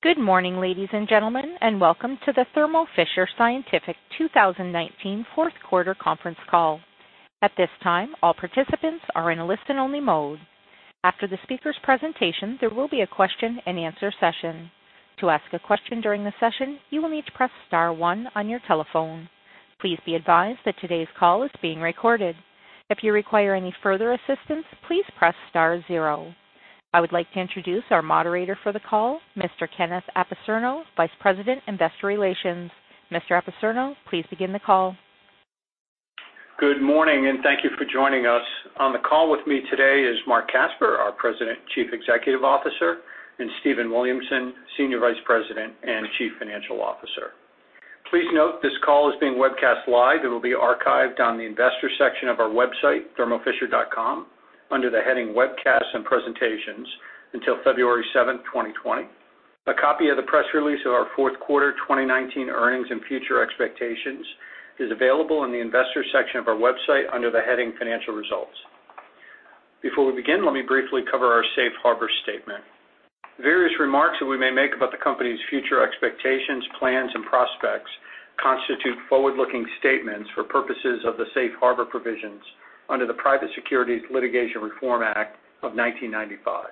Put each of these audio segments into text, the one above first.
Good morning, ladies and gentlemen, and welcome to the Thermo Fisher Scientific 2019 fourth quarter conference call. At this time all participants are in listen-only mode. After the speaker's presentation there will be a question-and-answer session. To ask a question during the session you will need to press star one on your telephone. Please be advised that today's call is being recorded. If you require any further assistance please press star zero. I would like to introduce our moderator for the call, Mr. Kenneth Apicerno, Vice President, Investor Relations. Mr. Apicerno, please begin the call. Good morning, and thank you for joining us. On the call with me today is Marc Casper, our President Chief Executive Officer, and Stephen Williamson, Senior Vice President and Chief Financial Officer. Please note this call is being webcast live. It will be archived on the investor section of our website, thermofisher.com, under the heading Webcasts and Presentations until February 7, 2020. A copy of the press release of our fourth quarter 2019 earnings and future expectations is available in the investor section of our website under the heading Financial Results. Before we begin, let me briefly cover our safe harbor statement. Various remarks that we may make about the company's future expectations, plans and prospects constitute forward-looking statements for purposes of the safe harbor provisions under the Private Securities Litigation Reform Act of 1995.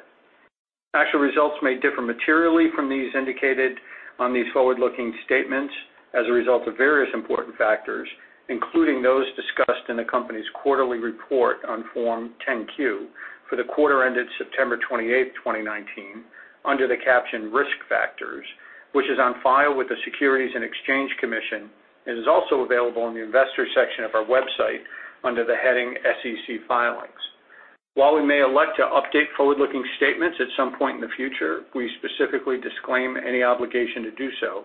Actual results may differ materially from these indicated on these forward-looking statements as a result of various important factors, including those discussed in the company's quarterly report on Form 10-Q for the quarter ended September 28, 2019, under the caption Risk Factors, which is on file with the Securities and Exchange Commission and is also available in the investor section of our website under the heading SEC Filings. While we may elect to update forward-looking statements at some point in the future, we specifically disclaim any obligation to do so,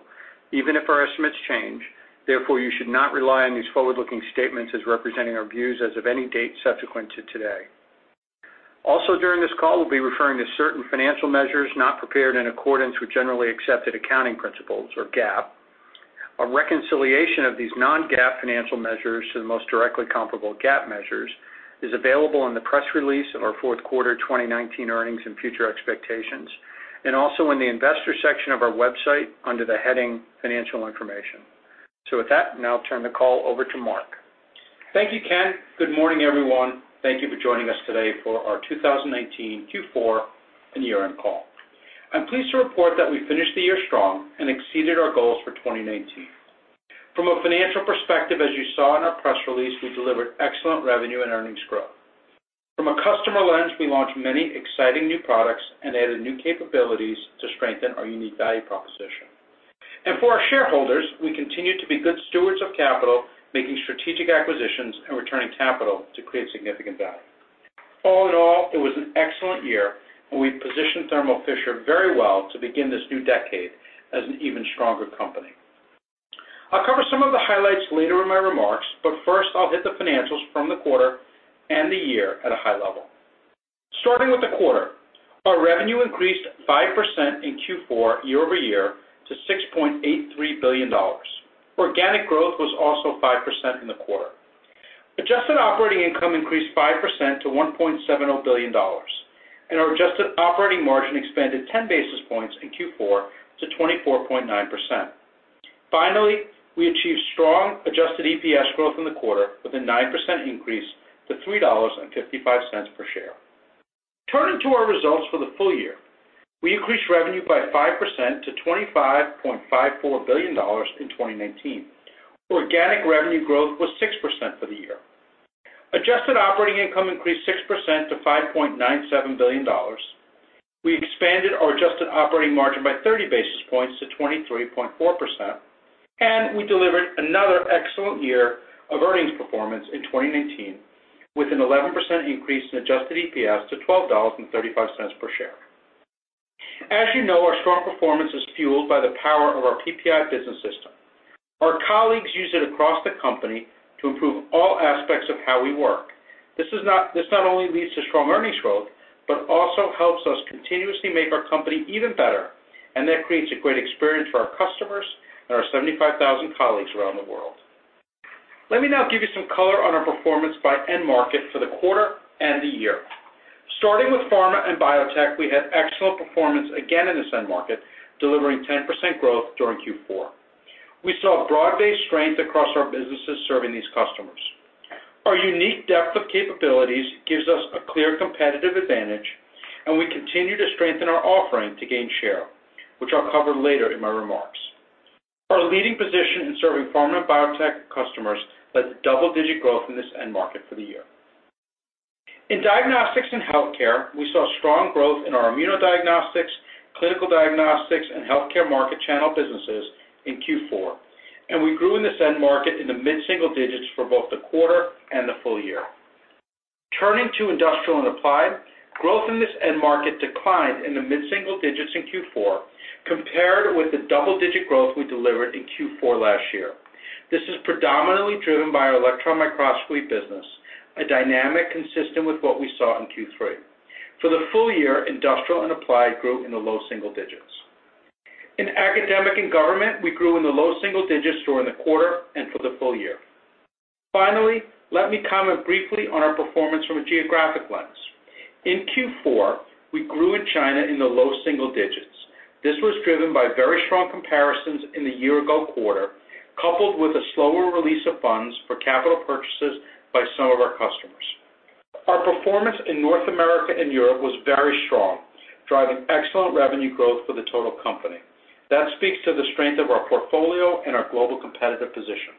even if our estimates change. Therefore, you should not rely on these forward-looking statements as representing our views as of any date subsequent to today. Also, during this call, we'll be referring to certain financial measures not prepared in accordance with generally accepted accounting principles or GAAP. A reconciliation of these non-GAAP financial measures to the most directly comparable GAAP measures is available in the press release of our fourth quarter 2019 earnings and future expectations, and also in the investor section of our website under the heading Financial Information. With that, now I'll turn the call over to Marc. Thank you, Kenneth. Good morning, everyone. Thank you for joining us today for our 2019 Q4 and year-end call. I'm pleased to report that we finished the year strong and exceeded our goals for 2019. From a financial perspective, as you saw in our press release, we delivered excellent revenue and earnings growth. From a customer lens, we launched many exciting new products and added new capabilities to strengthen our unique value proposition. For our shareholders, we continued to be good stewards of capital, making strategic acquisitions and returning capital to create significant value. All in all, it was an excellent year, and we positioned Thermo Fisher very well to begin this new decade as an even stronger company. I'll cover some of the highlights later in my remarks, but first I'll hit the financials from the quarter and the year at a high level. Starting with the quarter, our revenue increased 5% in Q4 year-over-year to $6.83 billion. Organic growth was also 5% in the quarter. Adjusted operating income increased 5% to $1.7 billion, and our adjusted operating margin expanded 10 basis points in Q4 to 24.9%. We achieved strong adjusted EPS growth in the quarter with a 9% increase to $3.55 per share. Turning to our results for the full-year, we increased revenue by 5% to $25.54 billion in 2019. Organic revenue growth was 6% for the year. Adjusted operating income increased 6% to $5.97 billion. We expanded our adjusted operating margin by 30 basis points to 23.4%, and we delivered another excellent year of earnings performance in 2019 with an 11% increase in adjusted EPS to $12.35 per share. As you know, our strong performance is fueled by the power of our PPI Business System. Our colleagues use it across the company to improve all aspects of how we work. This not only leads to strong earnings growth but also helps us continuously make our company even better, and that creates a great experience for our customers and our 75,000 colleagues around the world. Let me now give you some color on our performance by end market for the quarter and the year. Starting with pharma and biotech, we had excellent performance again in this end market, delivering 10% growth during Q4. We saw broad-based strength across our businesses serving these customers. Our unique depth of capabilities gives us a clear competitive advantage, and we continue to strengthen our offering to gain share, which I'll cover later in my remarks. Our leading position in serving pharma and biotech customers led to double-digit growth in this end market for the year. In diagnostics and healthcare, we saw strong growth in our immunodiagnostics, clinical diagnostics, and healthcare market channel businesses in Q4, and we grew in this end market in the mid-single digits for both the quarter and the full-year. Turning to industrial and applied, growth in this end market declined in the mid-single-digits in Q4 compared with the double-digit growth we delivered in Q4 last year. This is predominantly driven by our electron microscopy business, a dynamic consistent with what we saw in Q3. For the full-year, industrial and applied grew in the low single digits In academic and government, we grew in the low-single-digits during the quarter and for the full-year. Finally, let me comment briefly on our performance from a geographic lens. In Q4, we grew in China in the low-single-digits. This was driven by very strong comparisons in the year ago quarter, coupled with a slower release of funds for capital purchases by some of our customers. Our performance in North America and Europe was very strong, driving excellent revenue growth for the total company. That speaks to the strength of our portfolio and our global competitive position.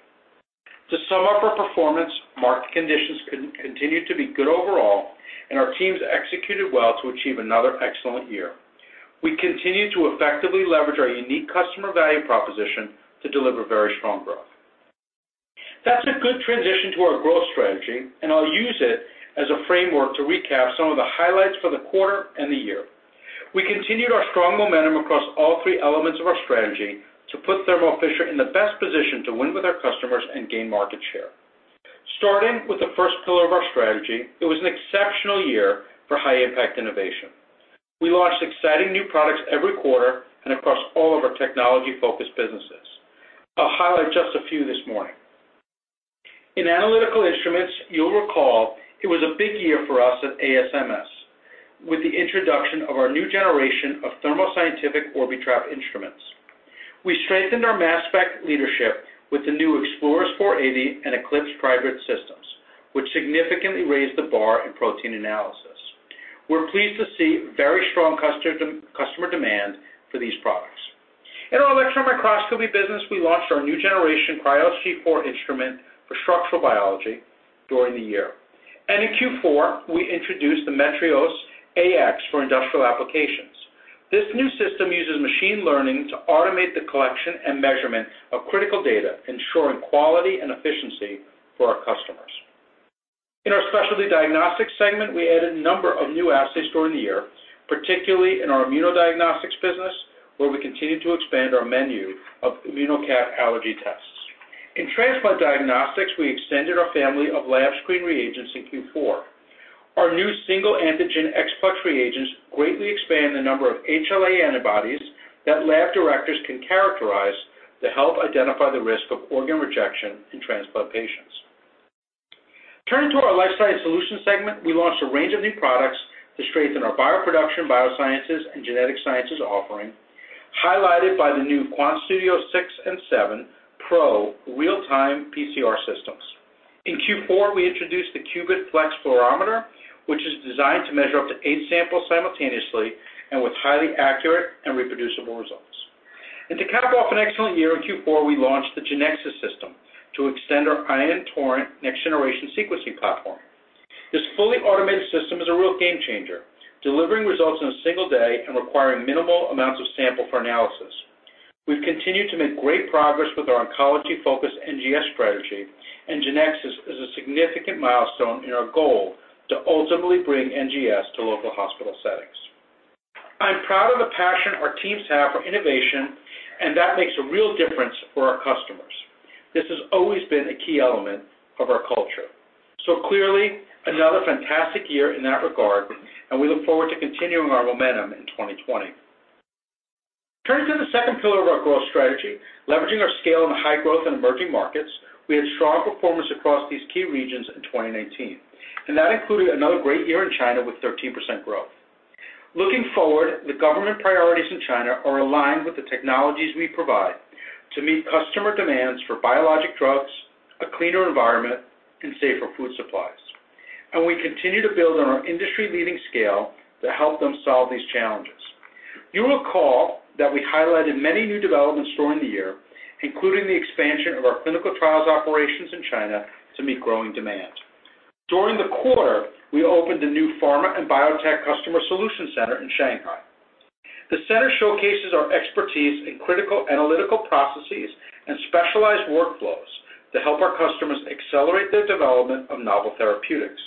To sum up our performance, market conditions continue to be good overall, and our teams executed well to achieve another excellent year. We continue to effectively leverage our unique customer value proposition to deliver very strong growth. That's a good transition to our growth strategy, and I'll use it as a framework to recap some of the highlights for the quarter and the year. We continued our strong momentum across all three elements of our strategy to put Thermo Fisher in the best position to win with our customers and gain market share. Starting with the first pillar of our strategy, it was an exceptional year for high impact innovation. We launched exciting new products every quarter and across all of our technology focused businesses. I'll highlight just a few this morning. In Analytical Instruments, you'll recall it was a big year for us at ASMS with the introduction of our new generation of Thermo Scientific Orbitrap instruments. We strengthened our mass spec leadership with the new Exploris 480 and Eclipse Tribrid systems, which significantly raised the bar in protein analysis. We're pleased to see very strong customer demand for these products. In our electron microscopy business, we launched our new generation Krios G4 instrument for structural biology during the year. In Q4, we introduced the Metrios AX for industrial applications. This new system uses machine learning to automate the collection and measurement of critical data, ensuring quality and efficiency for our customers. In our Specialty Diagnostics segment, we added a number of new assays during the year, particularly in our immunodiagnostics business, where we continued to expand our menu of ImmunoCAP allergy tests. In transplant diagnostics, we extended our family of LABScreen reagents in Q4. Our new Single Antigen ExPlex reagents greatly expand the number of HLA antibodies that lab directors can characterize to help identify the risk of organ rejection in transplant patients. Turning to our Life Sciences Solutions segment, we launched a range of new products to strengthen our bioproduction, biosciences, and genetic sciences offering, highlighted by the new QuantStudio 6 and 7 Pro real-time PCR systems. In Q4, we introduced the Qubit Flex fluorometer, which is designed to measure up to eight samples simultaneously and with highly accurate and reproducible results. To cap off an excellent year, in Q4, we launched the Genexus system to extend our Ion Torrent next-generation sequencing platform. This fully automated system is a real game changer, delivering results in one day and requiring minimal amounts of sample for analysis. We've continued to make great progress with our oncology focused NGS strategy, and Genexus is a significant milestone in our goal to ultimately bring NGS to local hospital settings. I'm proud of the passion our teams have for innovation and that makes a real difference for our customers. This has always been a key element of our culture. Clearly, another fantastic year in that regard, and we look forward to continuing our momentum in 2020. Turning to the second pillar of our growth strategy, leveraging our scale in high growth and emerging markets, we had strong performance across these key regions in 2019, and that included another great year in China with 13% growth. Looking forward, the government priorities in China are aligned with the technologies we provide to meet customer demands for biologic drugs, a cleaner environment, and safer food supplies. We continue to build on our industry-leading scale to help them solve these challenges. You'll recall that we highlighted many new developments during the year, including the expansion of our clinical trials operations in China to meet growing demand. During the quarter, we opened a new pharma and biotech customer solution center in Shanghai. The center showcases our expertise in critical analytical processes and specialized workflows to help our customers accelerate their development of novel therapeutics.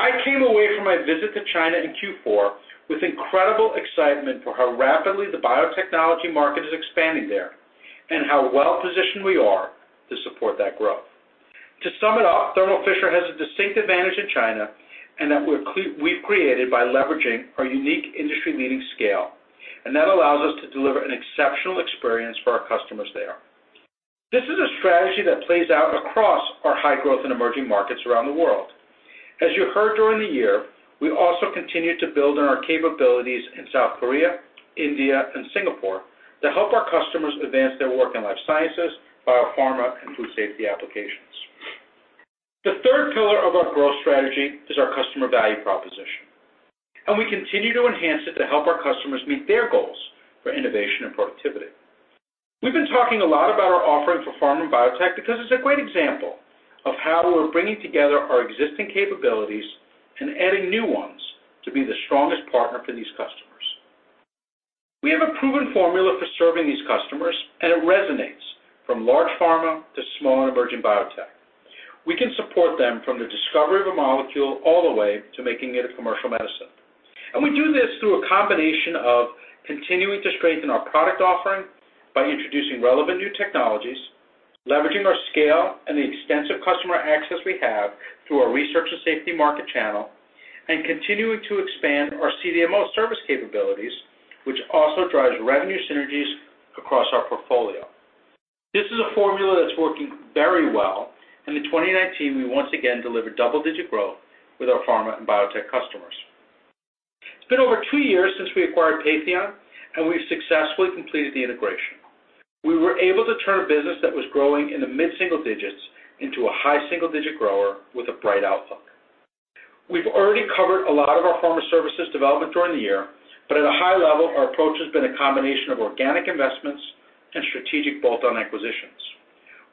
I came away from my visit to China in Q4 with incredible excitement for how rapidly the biotechnology market is expanding there, and how well-positioned we are to support that growth. To sum it up, Thermo Fisher has a distinct advantage in China, and that we've created by leveraging our unique industry-leading scale, and that allows us to deliver an exceptional experience for our customers there. This is a strategy that plays out across our high growth and emerging markets around the world. As you heard during the year, we also continued to build on our capabilities in South Korea, India, and Singapore to help our customers advance their work in life sciences, biopharma, and food safety applications. The third pillar of our growth strategy is our customer value proposition, and we continue to enhance it to help our customers meet their goals for innovation and productivity. We've been talking a lot about our offering for pharma and biotech because it's a great example of how we're bringing together our existing capabilities and adding new ones to be the strongest partner for these customers. We have a proven formula for serving these customers, and it resonates from large pharma to small and emerging biotech. We can support them from the discovery of a molecule all the way to making it a commercial medicine. We do this through a combination of continuing to strengthen our product offering by introducing relevant new technologies. Leveraging our scale and the extensive customer access we have through our research and safety market channel and continuing to expand our CDMO service capabilities, which also drives revenue synergies across our portfolio. This is a formula that's working very well. In 2019, we once again delivered double-digit growth with our pharma and biotech customers. It's been over two years since we acquired Patheon, and we've successfully completed the integration. We were able to turn a business that was growing in the mid-single digits into a high single-digit grower with a bright outlook. We've already covered a lot of our pharma services development during the year, but at a high level, our approach has been a combination of organic investments and strategic bolt-on acquisitions.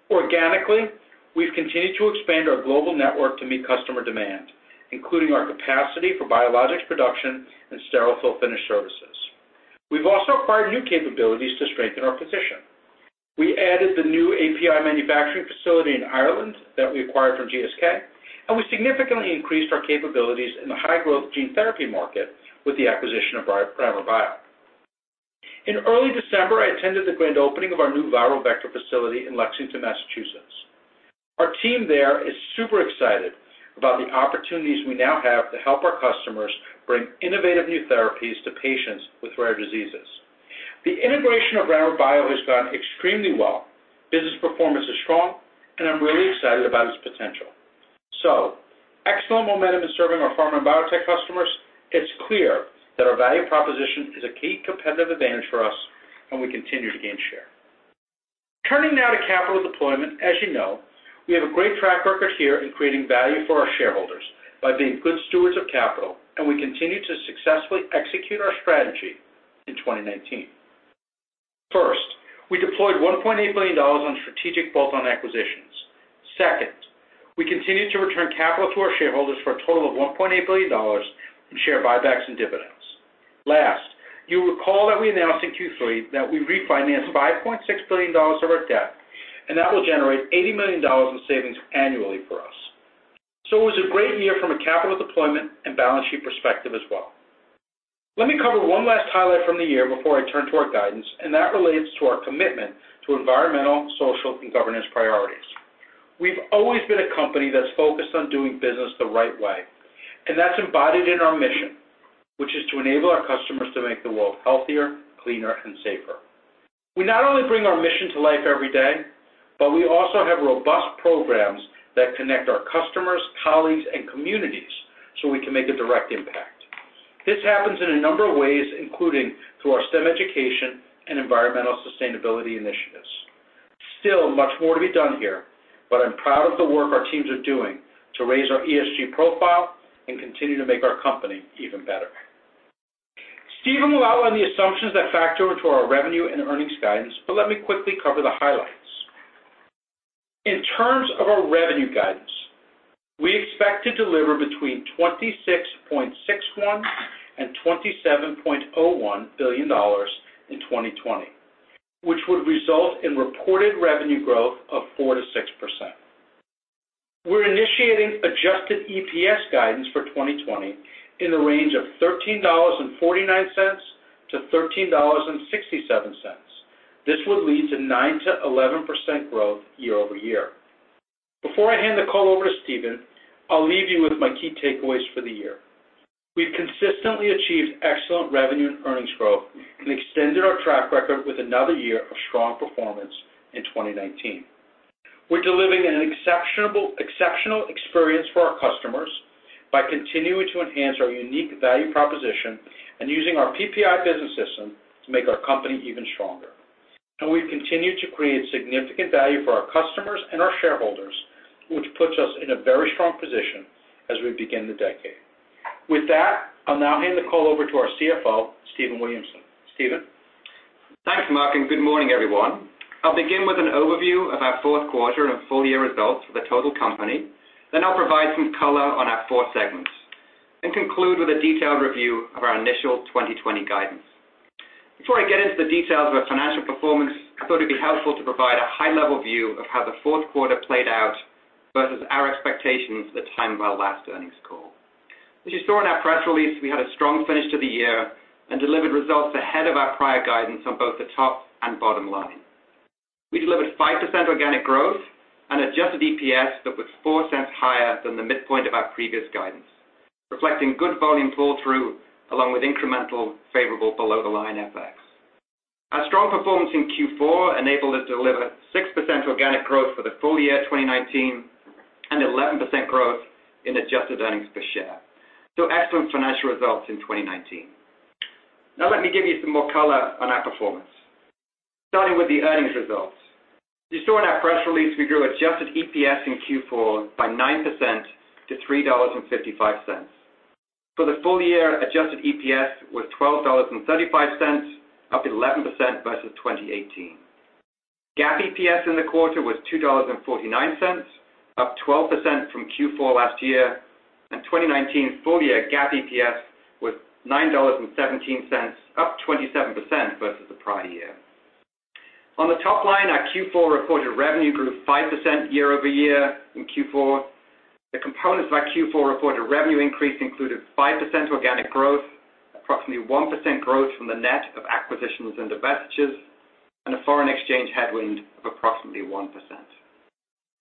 Organically, we've continued to expand our global network to meet customer demand, including our capacity for biologics production and sterile fill finish services. We've also acquired new capabilities to strengthen our position. We added the new API manufacturing facility in Ireland that we acquired from GSK, and we significantly increased our capabilities in the high-growth gene therapy market with the acquisition of Brammer Bio. In early December, I attended the grand opening of our new viral vector facility in Lexington, Massachusetts. Our team there is super excited about the opportunities we now have to help our customers bring innovative new therapies to patients with rare diseases. The integration of Brammer Bio has gone extremely well. Business performance is strong, and I'm really excited about its potential. Excellent momentum in serving our pharma and biotech customers. It's clear that our value proposition is a key competitive advantage for us, and we continue to gain share. Turning now to capital deployment, as you know, we have a great track record here in creating value for our shareholders by being good stewards of capital, and we continue to successfully execute our strategy in 2019. First, we deployed $1.8 billion on strategic bolt-on acquisitions. Second, we continued to return capital to our shareholders for a total of $1.8 billion in share buybacks and dividends. Last, you'll recall that we announced in Q3 that we refinanced $5.6 billion of our debt, and that will generate $80 million in savings annually for us. It was a great year from a capital deployment and balance sheet perspective as well. Let me cover one last highlight from the year before I turn to our guidance, that relates to our commitment to environmental, social, and governance priorities. We've always been a company that's focused on doing business the right way, that's embodied in our mission, which is to enable our customers to make the world healthier, cleaner, and safer. We not only bring our mission to life every day, we also have robust programs that connect our customers, colleagues, and communities we can make a direct impact. This happens in a number of ways, including through our STEM education and environmental sustainability initiatives. Still much more to be done here, I'm proud of the work our teams are doing to raise our ESG profile and continue to make our company even better. Stephen will outline the assumptions that factor into our revenue and earnings guidance, but let me quickly cover the highlights. In terms of our revenue guidance, we expect to deliver between $26.61 billion and $27.01 billion in 2020, which would result in reported revenue growth of 4%-6%. We're initiating adjusted EPS guidance for 2020 in the range of $13.49 to $13.67. This would lead to 9%-11% growth year-over-year. Before I hand the call over to Stephen, I'll leave you with my key takeaways for the year. We've consistently achieved excellent revenue and earnings growth and extended our track record with another year of strong performance in 2019. We're delivering an exceptional experience for our customers by continuing to enhance our unique value proposition and using our PPI business system to make our company even stronger. We've continued to create significant value for our customers and our shareholders, which puts us in a very strong position as we begin the decade. With that, I'll now hand the call over to our CFO, Stephen Williamson. Stephen? Thanks, Marc, good morning, everyone. I'll begin with an overview of our fourth quarter and full-year results for the total company. I'll provide some color on our four segments and conclude with a detailed review of our initial 2020 guidance. Before I get into the details of our financial performance, I thought it'd be helpful to provide a high-level view of how the fourth quarter played out versus our expectations at the time of our last earnings call. As you saw in our press release, we had a strong finish to the year and delivered results ahead of our prior guidance on both the top and bottom line. We delivered 5% organic growth and adjusted EPS that was $0.04 higher than the midpoint of our previous guidance, reflecting good volume pull-through along with incremental favorable below-the-line FX. Our strong performance in Q4 enabled us to deliver 6% organic growth for the full-year 2019 and 11% growth in adjusted earnings per share. Excellent financial results in 2019. Let me give you some more color on our performance, starting with the earnings results. You saw in our press release we grew adjusted EPS in Q4 by 9% to $3.55. For the full-year, adjusted EPS was $12.35, up 11% versus 2018. GAAP EPS in the quarter was $2.49, up 12% from Q4 last year. 2019 full-year GAAP EPS was $9.17, up 27% versus the prior year. On the top line, our Q4 reported revenue grew 5% year-over-year in Q4. The components of our Q4 reported revenue increase included 5% organic growth, approximately 1% growth from the net of acquisitions and divestitures, and a foreign exchange headwind of approximately 1%.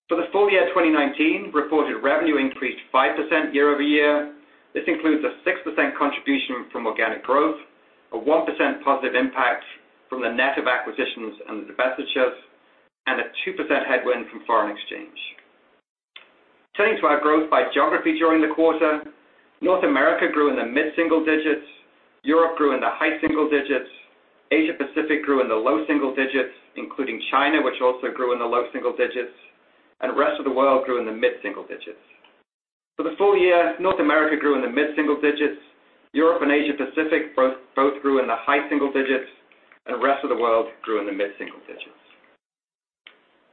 For the full-year 2019, reported revenue increased 5% year-over-year. This includes a 6% contribution from organic growth, a 1% positive impact from the net of acquisitions and divestitures, and a 2% headwind from foreign exchange. Turning to our growth by geography during the quarter, North America grew in the mid-single-digits, Europe grew in the high single digits, Asia Pacific grew in the low-single-digits, including China, which also grew in the low single digits, and rest of the world grew in the mid-single-digits. For the full-year, North America grew in the mid-single digits, Europe and Asia Pacific both grew in the high-single-digits, and the rest of the world grew in the mid-single-digits.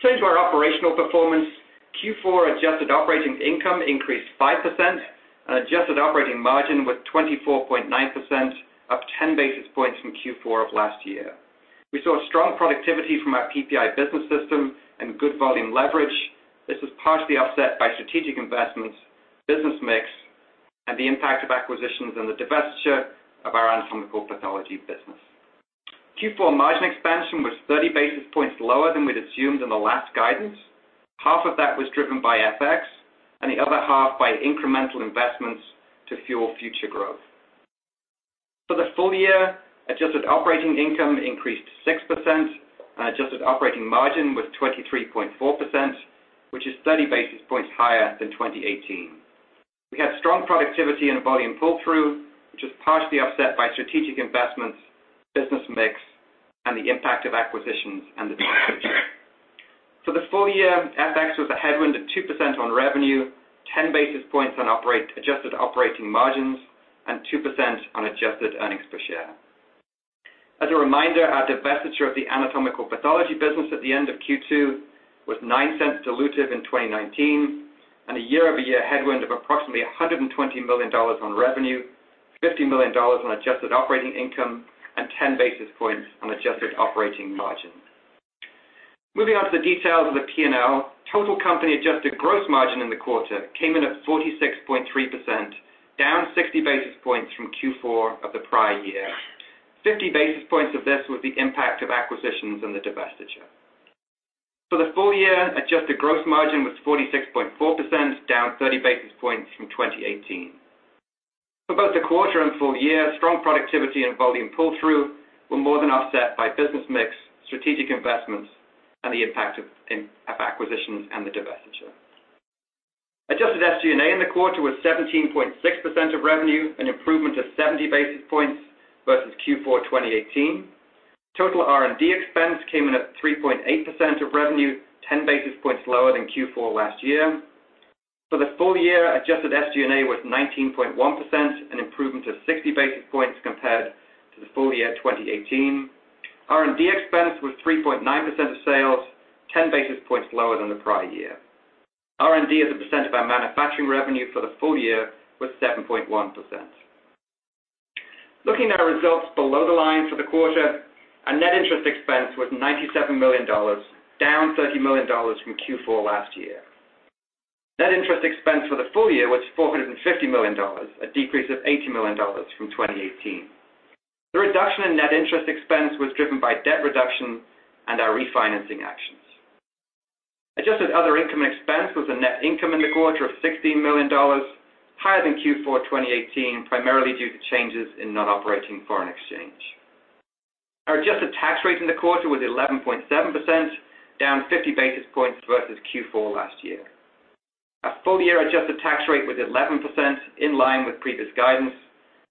Turning to our operational performance, Q4 adjusted operating income increased 5% and adjusted operating margin was 24.9%, up 10 basis points from Q4 of last year. We saw strong productivity from our PPI business system and good volume leverage. This was partially offset by strategic investments, business mix, and the impact of acquisitions and the divestiture of our anatomical pathology business. Q4 margin expansion was 30 basis points lower than we'd assumed in the last guidance. Half of that was driven by FX, and the other half by incremental investments to fuel future growth. For the full-year, adjusted operating income increased 6% and adjusted operating margin was 23.4%, which is 30 basis points higher than 2018. We had strong productivity and volume pull-through, which was partially offset by strategic investments, business mix, and the impact of acquisitions and divestiture. For the full-year, FX was a headwind of 2% on revenue, 10 basis points on adjusted operating margins, and 2% on adjusted earnings per share. As a reminder, our divestiture of the anatomical pathology business at the end of Q2 was $0.09 dilutive in 2019, and a year-over-year headwind of approximately $120 million on revenue, $50 million on adjusted operating income, and 10 basis points on adjusted operating margin. Moving on to the details of the P&L, total company adjusted gross margin in the quarter came in at 46.3%, down 60 basis points from Q4 of the prior year. 50 basis points of this was the impact of acquisitions and the divestiture. For the full-year, adjusted gross margin was 46.4%, down 30 basis points from 2018. For both the quarter and full-year, strong productivity and volume pull-through were more than offset by business mix, strategic investments, and the impact of acquisitions and the divestiture. Adjusted SG&A in the quarter was 17.6% of revenue, an improvement of 70 basis points versus Q4 2018. Total R&D expense came in at 3.8% of revenue, 10 basis points lower than Q4 last year. For the full-year, adjusted SG&A was 19.1%, an improvement of 60 basis points compared to the full-year 2018. R&D expense was 3.9% of sales, 10 basis points lower than the prior year. R&D as a percent of our manufacturing revenue for the full-year was 7.1%. Looking at our results below the line for the quarter, our net interest expense was $97 million, down $30 million from Q4 last year. Net interest expense for the full-year was $450 million, a decrease of $80 million from 2018. The reduction in net interest expense was driven by debt reduction and our refinancing actions. Adjusted other income expense was a net income in the quarter of $16 million, higher than Q4 2018, primarily due to changes in non-operating foreign exchange. Our adjusted tax rate in the quarter was 11.7%, down 50 basis points versus Q4 last year. Our full-year adjusted tax rate was 11%, in line with previous guidance.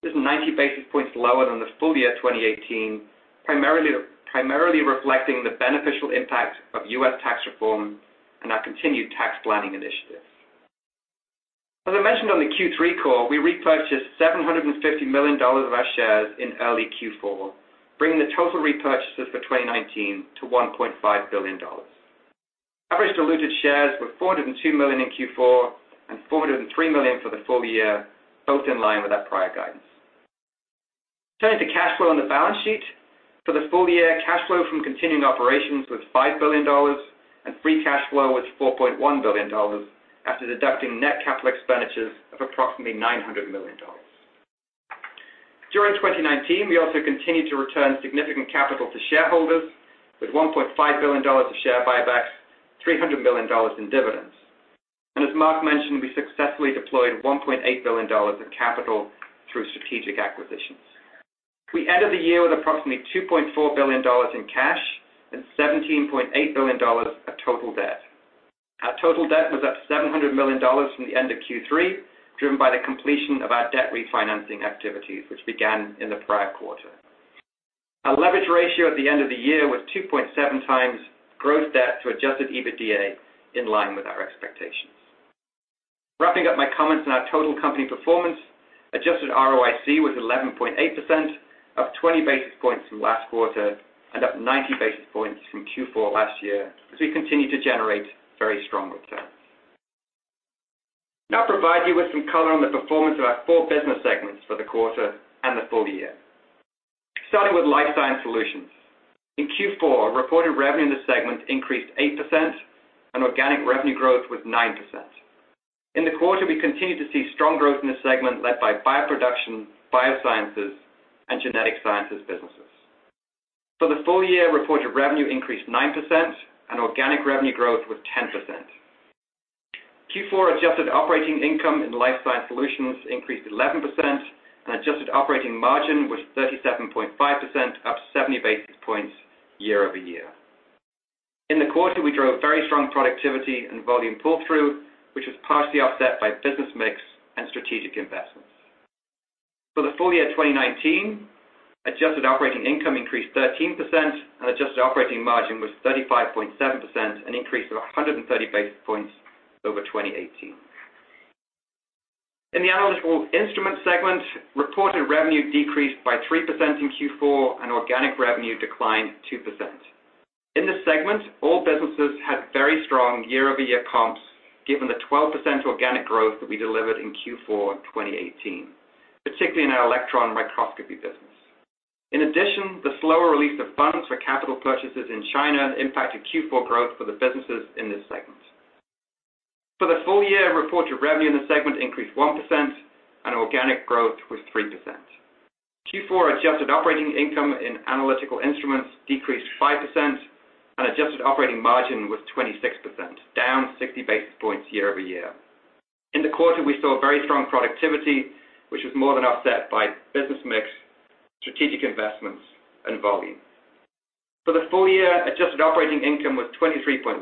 This is 90 basis points lower than the full-year 2018, primarily reflecting the beneficial impact of U.S. tax reform and our continued tax planning initiatives. As I mentioned on the Q3 call, we repurchased $750 million of our shares in early Q4, bringing the total repurchases for 2019 to $1.5 billion. Average diluted shares were 402 million in Q4 and 403 million for the full-year, both in line with our prior guidance. Turning to cash flow on the balance sheet. For the full-year, cash flow from continuing operations was $5 billion and free cash flow was $4.1 billion after deducting net capital expenditures of approximately $900 million. During 2019, we also continued to return significant capital to shareholders with $1.5 billion of share buybacks, $300 million in dividends. As Marc mentioned, we successfully deployed $1.8 billion of capital through strategic acquisitions. We ended the year with approximately $2.4 billion in cash and $17.8 billion of total debt. Our total debt was up $700 million from the end of Q3, driven by the completion of our debt refinancing activities, which began in the prior quarter. Our leverage ratio at the end of the year was 2.7x gross debt to adjusted EBITDA, in line with our expectations. Wrapping up my comments on our total company performance, adjusted ROIC was 11.8%, up 20 basis points from last quarter and up 90 basis points from Q4 last year, as we continue to generate very strong returns. I'll now provide you with some color on the performance of our four business segments for the quarter and the full-year. starting with Life Science Solutions. In Q4, reported revenue in the segment increased 8%, and organic revenue growth was 9%. In the quarter, we continued to see strong growth in this segment led by bioproduction, biosciences, and genetic sciences businesses. For the full-year, reported revenue increased 9% and organic revenue growth was 10%. Q4 adjusted operating income in the Life Sciences Solutions increased 11% and adjusted operating margin was 37.5%, up 70 basis points year-over-year. In the quarter, we drove very strong productivity and volume pull-through, which was partially offset by business mix and strategic investments. For the full-year 2019, adjusted operating income increased 13% and adjusted operating margin was 35.7%, an increase of 130 basis points over 2018. In the Analytical Instruments segment, reported revenue decreased by 3% in Q4 and organic revenue declined 2%. In this segment, all businesses had very strong year-over-year comps, given the 12% organic growth that we delivered in Q4 2018, particularly in our electron microscopy business. In addition, the slower release of funds for capital purchases in China impacted Q4 growth for the businesses in this segment. For the full-year, reported revenue in the segment increased 1% and organic growth was 3%. Q4 adjusted operating income in Analytical Instruments decreased 5% and adjusted operating margin was 26%, down 60 basis points year-over-year. In the quarter, we saw very strong productivity, which was more than offset by business mix, strategic investments, and volume. For the full-year, adjusted operating income was 23.1%,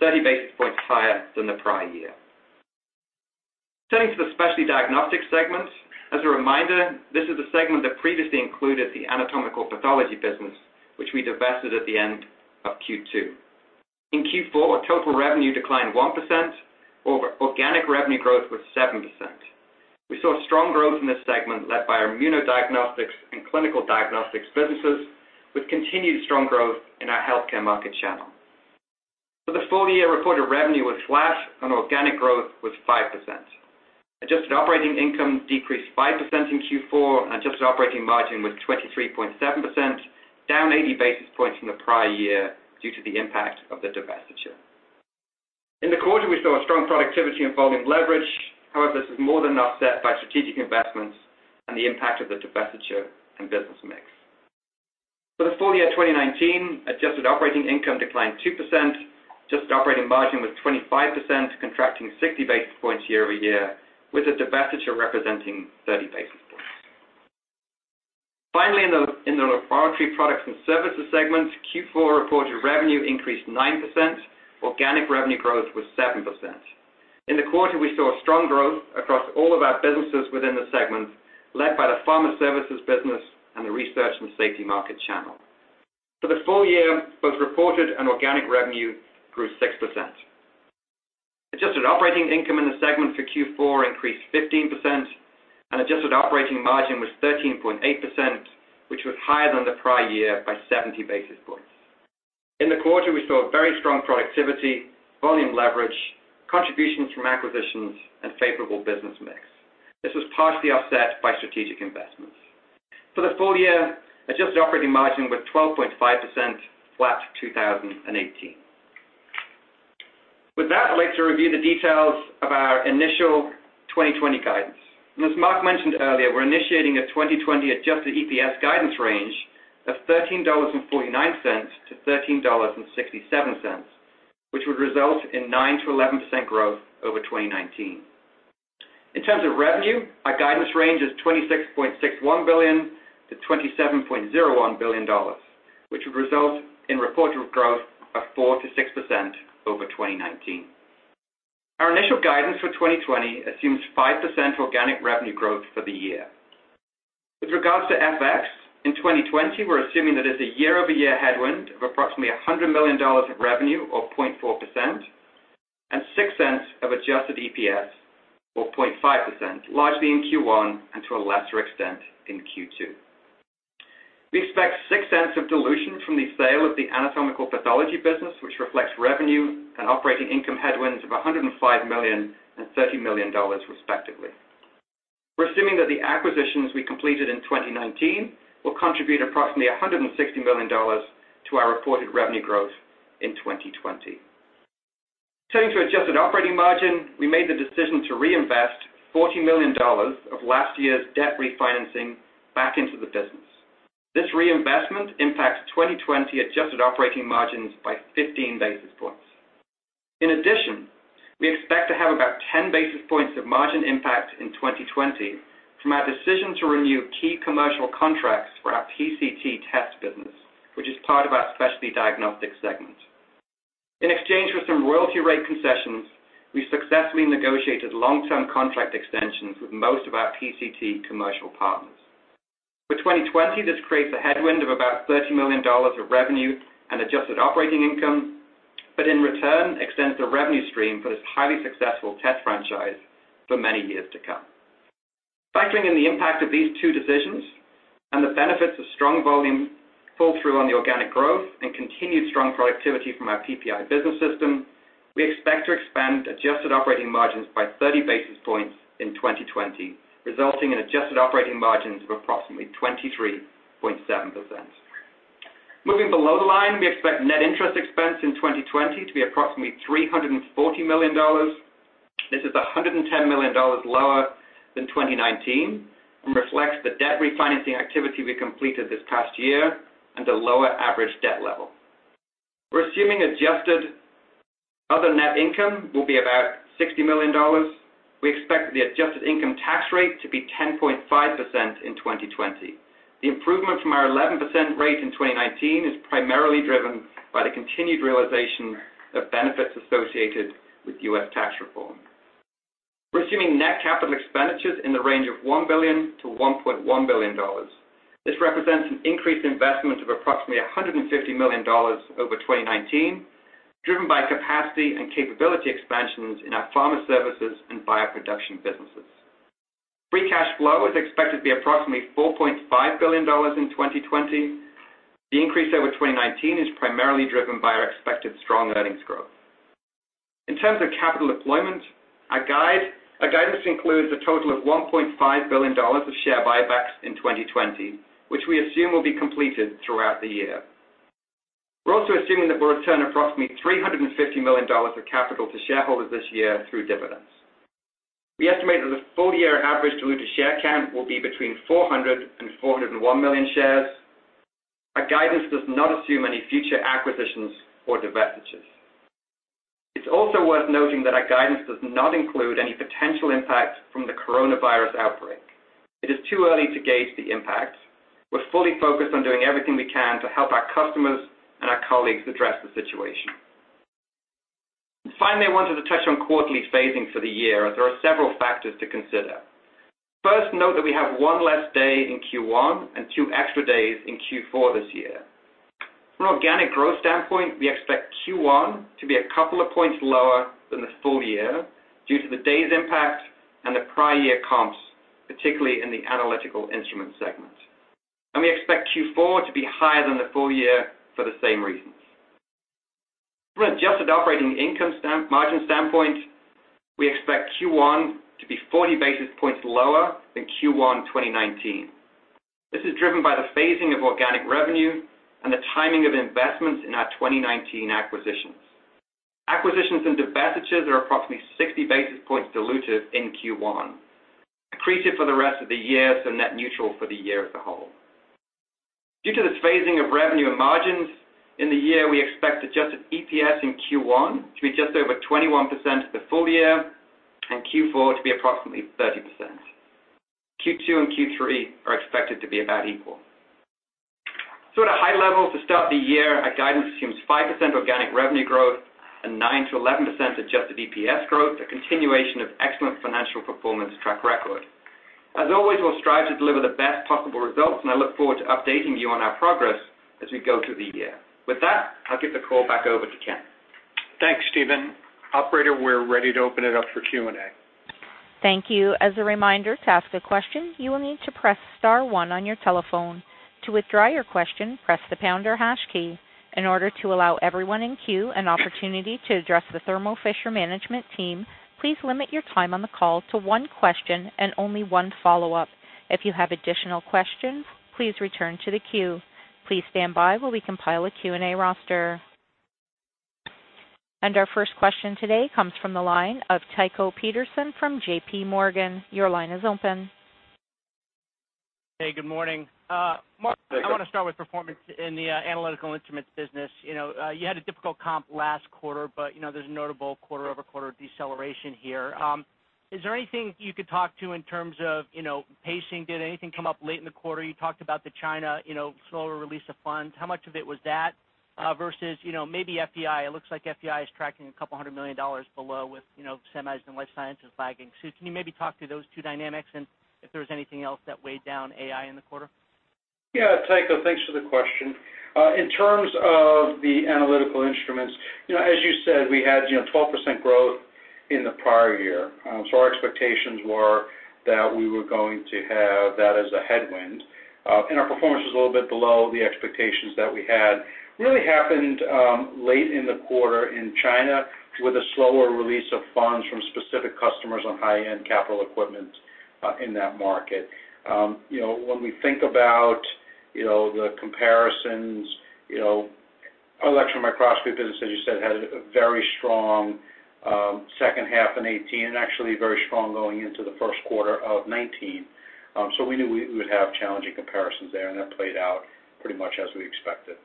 30 basis points higher than the prior year. Turning to the Specialty Diagnostics segment. As a reminder, this is a segment that previously included the anatomical pathology business, which we divested at the end of Q2. In Q4, total revenue declined 1%. Organic revenue growth was 7%. We saw strong growth in this segment led by our immunodiagnostics and clinical diagnostics businesses, with continued strong growth in our healthcare market channel. For the full-year, reported revenue was flat and organic growth was 5%. Adjusted operating income decreased 5% in Q4, and adjusted operating margin was 23.7%, down 80 basis points from the prior year due to the impact of the divestiture. In the quarter, we saw a strong productivity and volume leverage. This was more than offset by strategic investments and the impact of the divestiture and business mix. For the full-year 2019, adjusted operating income declined 2%. Adjusted operating margin was 25%, contracting 60 basis points year-over-year, with the divestiture representing 30 basis points. In the Laboratory Products and Services segment, Q4 reported revenue increased 9%. Organic revenue growth was 7%. In the quarter, we saw strong growth across all of our businesses within the segment, led by the pharma services business and the research and safety market channel. For the full-year, both reported and organic revenue grew 6%. Adjusted operating income in the segment for Q4 increased 15% and adjusted operating margin was 13.8%, which was higher than the prior year by 70 basis points. In the quarter, we saw very strong productivity, volume leverage, contributions from acquisitions, and favorable business mix. This was partially offset by strategic investments. For the full-year, adjusted operating margin was 12.5%, flat 2018. With that, I'd like to review the details of our initial 2020 guidance. As Marc mentioned earlier, we're initiating a 2020 adjusted EPS guidance range of $13.49 to $13.67, which would result in 9%-11% growth over 2019. In terms of revenue, our guidance range is $26.61 billion to $27.01 billion, which would result in reported growth of 4%-6% over 2019. Our initial guidance for 2020 assumes 5% organic revenue growth for the year. With regards to FX, in 2020, we're assuming that it's a year-over-year headwind of approximately $100 million of revenue, or 0.4%, and $0.06 of adjusted EPS, or 0.5%, largely in Q1 and to a lesser extent in Q2. We expect $0.06 of dilution from the sale of the anatomical pathology business, which reflects revenue and operating income headwinds of $105 million and $30 million, respectively. We're assuming that the acquisitions we completed in 2019 will contribute approximately $160 million to our reported revenue growth in 2020. Turning to adjusted operating margin, we made the decision to reinvest $40 million of last year's debt refinancing back into the business. This reinvestment impacts 2020 adjusted operating margins by 15 basis points. We expect to have about 10 basis points of margin impact in 2020 from our decision to renew key commercial contracts for our PCT test business, which is part of our Specialty Diagnostics segment. In exchange for some royalty rate concessions, we successfully negotiated long-term contract extensions with most of our PCT commercial partners. For 2020, this creates a headwind of about $30 million of revenue and adjusted operating income. In return, extends the revenue stream for this highly successful test franchise for many years to come. Factoring in the impact of these two decisions and the benefits of strong volume pull-through on the organic growth and continued strong productivity from our PPI business system, we expect to expand adjusted operating margins by 30 basis points in 2020, resulting in adjusted operating margins of approximately 23.7%. Moving below the line, we expect net interest expense in 2020 to be approximately $340 million. This is $110 million lower than 2019 and reflects the debt refinancing activity we completed this past year and a lower average debt level. We're assuming adjusted other net income will be about $60 million. We expect the adjusted income tax rate to be 10.5% in 2020. The improvement from our 11% rate in 2019 is primarily driven by the continued realization of benefits associated with U.S. tax reform. We're assuming net capital expenditures in the range of $1 billion-$1.1 billion. This represents an increased investment of approximately $150 million over 2019, driven by capacity and capability expansions in our pharma services and bioproduction businesses. Free cash flow is expected to be approximately $4.5 billion in 2020. The increase over 2019 is primarily driven by our expected strong earnings growth. In terms of capital deployment, our guidance includes a total of $1.5 billion of share buybacks in 2020, which we assume will be completed throughout the year. We're also assuming that we'll return approximately $350 million of capital to shareholders this year through dividends. We estimate that the full-year average diluted share count will be between 400 million-401 million shares. Our guidance does not assume any future acquisitions or divestitures. It's also worth noting that our guidance does not include any potential impact from the coronavirus outbreak. It is too early to gauge the impact. We're fully focused on doing everything we can to help our customers and our colleagues address the situation. Finally, I wanted to touch on quarterly phasing for the year, as there are several factors to consider. First, note that we have one less day in Q1 and two extra days in Q4 this year. From an organic growth standpoint, we expect Q1 to be a couple of points lower than the full-year due to the day's impact and the prior year comps, particularly in the Analytical Instruments segment. We expect Q4 to be higher than the full-year for the same reasons. From an adjusted operating income margin standpoint, we expect Q1 to be 40 basis points lower than Q1 2019. This is driven by the phasing of organic revenue and the timing of investments in our 2019 acquisitions. Acquisitions and divestitures are approximately 60 basis points dilutive in Q1. Accretive for the rest of the year, net neutral for the year as a whole. Due to this phasing of revenue and margins in the year, we expect adjusted EPS in Q1 to be just over 21% of the full-year and Q4 to be approximately 30%. Q2 and Q3 are expected to be about equal. At a high level, to start the year, our guidance assumes 5% organic revenue growth and 9%-11% adjusted EPS growth, a continuation of excellent financial performance track record. As always, we'll strive to deliver the best possible results, and I look forward to updating you on our progress as we go through the year. With that, I'll give the call back over to Ken. Thanks, Stephen. Operator, we're ready to open it up for Q&A. Thank you. As a reminder, to ask a question, you will need to press star one on your telephone. To withdraw your question, press the pound or hash key. In order to allow everyone in queue an opportunity to address the Thermo Fisher management team, please limit your time on the call to one question and only one follow-up. If you have additional questions, please return to the queue. Please stand by while we compile a Q&A roster. Our first question today comes from the line of Tycho Peterson from JPMorgan. Hey, good morning. Hey, Tycho. I want to start with performance in the Analytical Instruments business. You know, you had a difficult comp last quarter, but, you know, there's a notable quarter-over-quarter deceleration here. Is there anything you could talk to in terms of, you know, pacing? Did anything come up late in the quarter? You talked about the China, you know, slower release of funds. How much of it was that versus, you know, maybe FEI? It looks like FEI is tracking a couple hundred million dollars below with, you know, semis and life sciences lagging. Can you maybe talk through those two dynamics and if there was anything else that weighed down AI in the quarter? Yeah, Tycho, thanks for the question. In terms of the Analytical Instruments, you know, as you said, we had, you know, 12% growth in the prior year. Our expectations were that we were going to have that as a headwind, and our performance was a little bit below the expectations that we had. Really happened, late in the quarter in China with a slower release of funds from specific customers on high-end capital equipment, in that market. You know, when we think about, you know, the comparisons, you know, our electron microscopy business, as you said, had a very strong second half in 2018, and actually very strong going into the first quarter of 2019. We knew we would have challenging comparisons there, and that played out pretty much as we expected.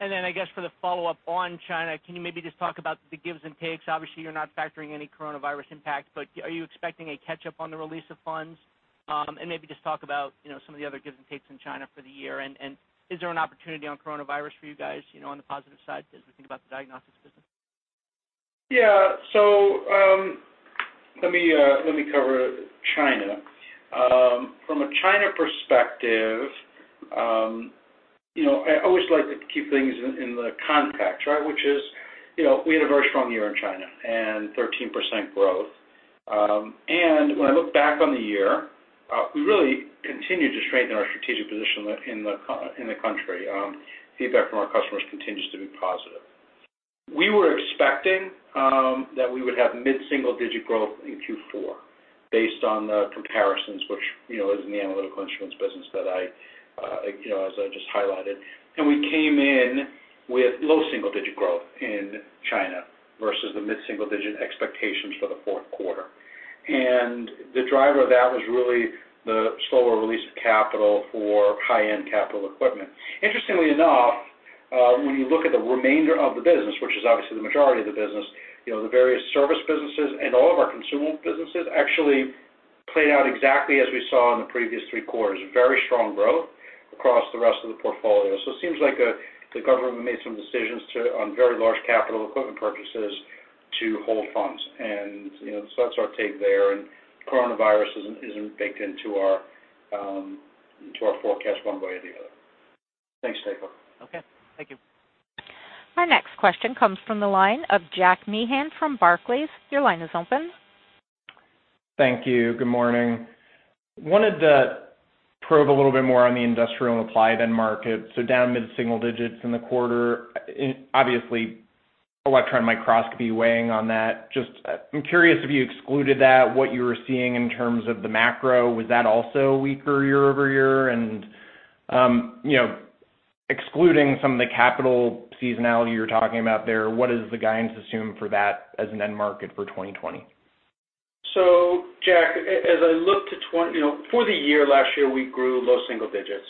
I guess for the follow-up on China, can you maybe just talk about the gives and takes? Obviously, you're not factoring any coronavirus impact, but are you expecting a catch-up on the release of funds? And maybe just talk about, you know, some of the other gives and takes in China for the year. And is there an opportunity on coronavirus for you guys, you know, on the positive side as we think about the diagnostics business? Yeah. Let me, let me cover China. From a China perspective, you know, I always like to keep things in the context, right? Which is, you know, we had a very strong year in China and 13% growth. When I look back on the year, we really continued to strengthen our strategic position in the country. Feedback from our customers continues to be positive. We were expecting that we would have mid-single digit growth in Q4 based on the comparisons which, you know, is in the Analytical Instruments business that I, you know, as I just highlighted. We came in with low single digit growth in China versus the mid-single-digit expectations for the fourth quarter. The driver of that was really the slower release of capital for high-end capital equipment. Interestingly enough, when you look at the remainder of the business, which is obviously the majority of the business, you know, the various service businesses and all of our consumable businesses actually played out exactly as we saw in the previous three quarters, very strong growth across the rest of the portfolio. It seems like the government made some decisions to, on very large capital equipment purchases to hold funds. You know, that's our take there. Coronavirus isn't baked into our forecast one way or the other. Thanks, Tycho. Okay. Thank you. Our next question comes from the line of Jack Meehan from Barclays. Your line is open. Thank you. Good morning. Wanted to probe a little bit more on the industrial and applied end market. Down mid-single-digits in the quarter. Obviously, electron microscopy weighing on that. Just, I'm curious if you excluded that, what you were seeing in terms of the macro, was that also weaker year-over-year? And, you know, excluding some of the capital seasonality you're talking about there, what is the guidance assumed for that as an end market for 2020? Jack, as I look to you know, for the year, last year, we grew low single digits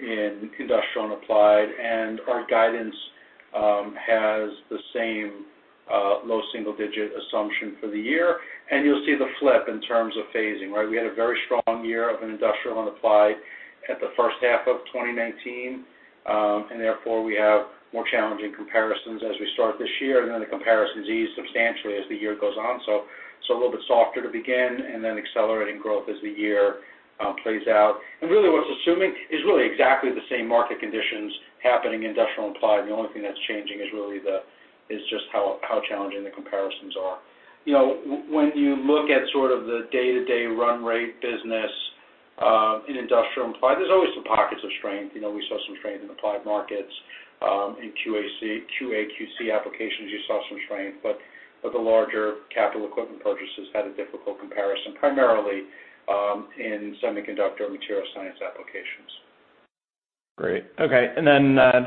in industrial and applied, and our guidance has the same low-single-digit assumption for the year. You'll see the flip in terms of phasing, right? We had a very strong year of an industrial and applied at the first half of 2019. Therefore, we have more challenging comparisons as we start this year, and then the comparisons ease substantially as the year goes on. A little bit softer to begin, and then accelerating growth as the year plays out. Really what's assuming is really exactly the same market conditions happening in industrial and applied. The only thing that's changing is really just how challenging the comparisons are. You know, when you look at sort of the day-to-day run rate business, in industrial and applied, there's always some pockets of strength. You know, we saw some strength in applied markets, in QA/QC applications, you saw some strength. The larger capital equipment purchases had a difficult comparison, primarily, in semiconductor material science applications. Great. Okay.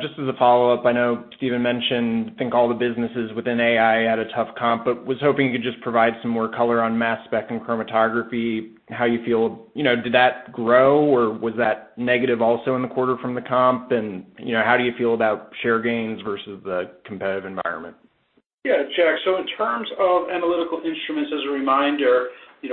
Just as a follow-up, I know Stephen mentioned, I think all the businesses within AI had a tough comp, but was hoping you could just provide some more color on mass spec and chromatography, how you feel. You know, did that grow, or was that negative also in the quarter from the comp? You know, how do you feel about share gains versus the competitive environment? Jack. In terms of Analytical Instruments, as a reminder,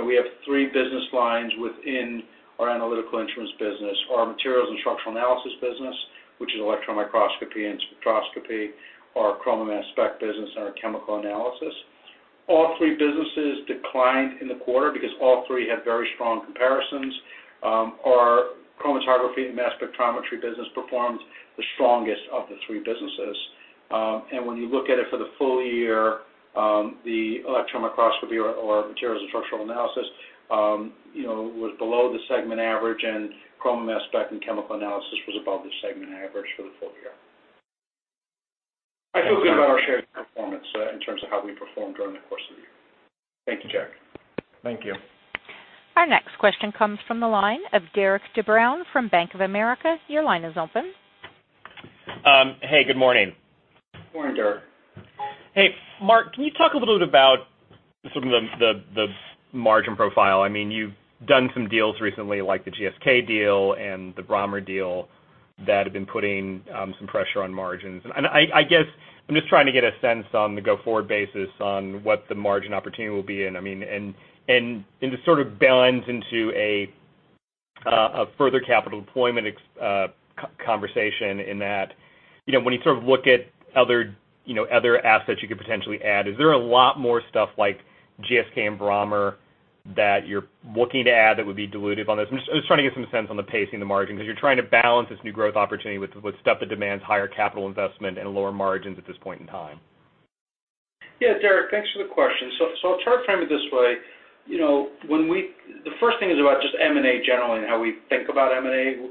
we have three business lines within our Analytical Instruments business. Our Materials and Structural Analysis business, which is electron microscopy and spectroscopy, our Chroma Mass Spec business, and our Chemical Analysis. All three businesses declined in the quarter because all three had very strong comparisons. Our Chromatography and Mass Spectrometry Business performed the strongest of the three businesses. And when you look at it for the full-year, the electron microscopy or Materials and Structural Analysis was below the segment average, and Chroma Mass Spec and Chemical Analysis was above the segment average for the full-year. I feel good about our shared performance in terms of how we performed during the course of the year. Thank you, Jack. Thank you. Our next question comes from the line of Derik De Bruin from Bank of America. Your line is open. Hey, good morning. Morning, Derik. Hey, Marc, can you talk a little bit about some of the margin profile? I mean, you've done some deals recently, like the GSK deal and the Brammer deal that have been putting some pressure on margins. I guess I'm just trying to get a sense on the go-forward basis on what the margin opportunity will be. I mean, and this sort of blends into a further capital deployment conversation in that, you know, when you sort of look at other, you know, other assets you could potentially add, is there a lot more stuff like GSK and Brammer that you're looking to add that would be dilutive on this? I'm just trying to get some sense on the pacing, the margin, because you're trying to balance this new growth opportunity with stuff that demands higher capital investment and lower margins at this point in time. Yeah, Derik, thanks for the question. I'll try to frame it this way. You know, when the first thing is about just M&A generally and how we think about M&A.